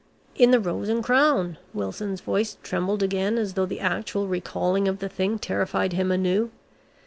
"In the Rose and Crown," Wilson's voice trembled again as though the actual recalling of the thing terrified him anew.